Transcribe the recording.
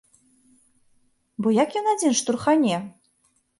Бо як ён адзін штурхане?